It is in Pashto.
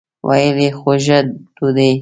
ویل یې خوږه ډوډۍ.